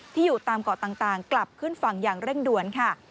อยู่ตามเกาะต่างกลับขึ้นฝั่งอย่างเร่งด่วนค่ะ